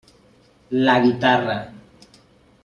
La guitarra.